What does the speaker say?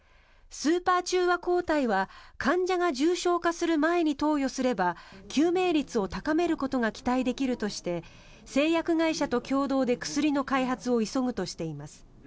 スーパー中和抗体は患者が重症化する前に投与すれば救命率を高めることが期待できるとして製薬会社と共同で薬の開発を急ぐとしています。